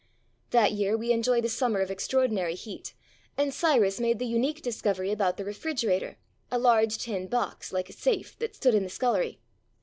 That year we enjoyed a summer of extraordinary heat, and Cyrus made the unique discovery about the refrigerator, a large tin box, like a safe, that stood in the scullery.